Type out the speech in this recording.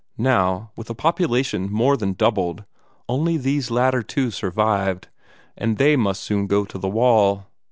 Now, with a population more than doubled, only these latter two survived, and they must soon go to the wall.